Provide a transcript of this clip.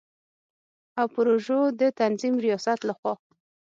او پروژو د تنظیم ریاست له خوا